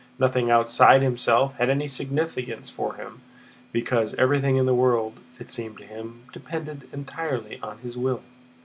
Nothing outside himself had any significance for him, because everything in the world, it seemed to him, depended entirely on his will.